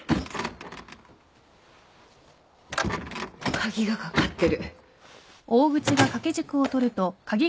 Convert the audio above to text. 鍵がかかってる。